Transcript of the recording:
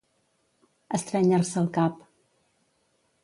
Estrènyer-se el cap.